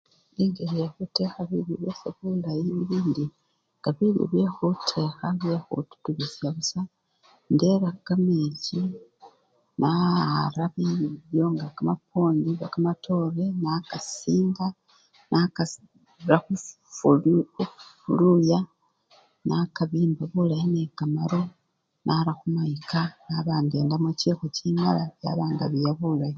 Engeli yekhutekha bilyo byase bulayi elindi, nga bilyo byekhutekha byekhututubisa busa, indera kamechi nawara bilyo nga kamapwondi oba kamatore nakasinga nakara sis! si! fuluya nakabimba bulayi nekamaru, nara khumayika naba ngendamo chikhu chimala byaba nga biya bulayi.